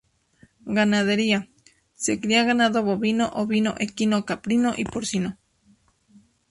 Ganadería: Se cría ganado bovino, ovino, equino, caprino y porcino.